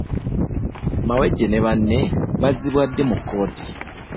Mawejje ne banne bazzibwa ddi mu kkooti?